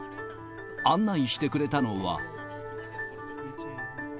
案内してくれたのは。